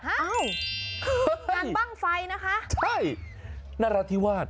อ้าวงานบ้างไฟนะคะใช่นราธิวาส